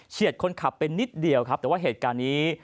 คนขับไปนิดเดียวครับแต่ว่าเหตุการณ์นี้